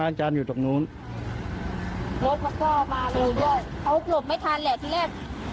แต่มันหลบไม่ทันมันขึ้นต่อเลย